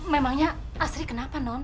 memangnya astri kenapa non